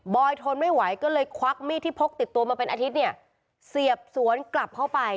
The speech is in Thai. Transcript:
ทนไม่ไหวก็เลยควักมีดที่พกติดตัวมาเป็นอาทิตย์เนี่ยเสียบสวนกลับเข้าไป